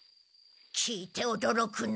聞いておどろくな。